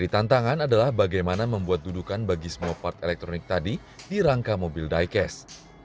jadi tantangan adalah bagaimana membuat dudukan bagi semua part elektronik tadi di rangka mobil diecast